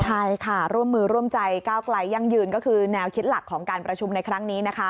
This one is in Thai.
ใช่ค่ะร่วมมือร่วมใจก้าวไกลยั่งยืนก็คือแนวคิดหลักของการประชุมในครั้งนี้นะคะ